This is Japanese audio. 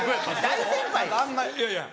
大先輩や。